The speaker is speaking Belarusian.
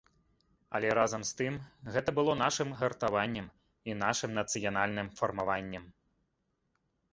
Але, разам з тым, гэта было нашым гартаваннем і нашым нацыянальным фармаваннем.